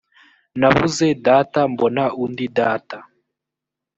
nabuze data mbona undi data.